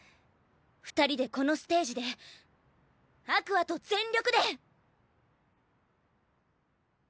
２人でこのステージでＡｑｏｕｒｓと全力で！